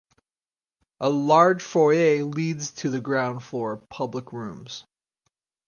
A large foyer leads to the ground floor public rooms.